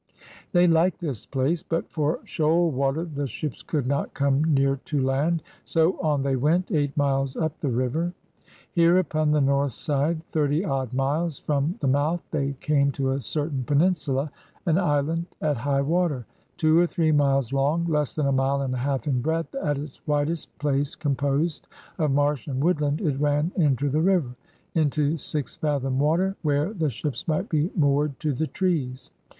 '' They liked this place, but for shoal water the ships could not come near to land. So on they went, dght miles up the river. Here, upon the north side, thirty odd miles from the mouth, they came to a certain peninsula, an island at high water. Two or three miles long, less than a mile and a half in breadth, at its widest place composed of marsh and woodland, it ran into the river, into six fathom water, where the ships might be moored to the trees.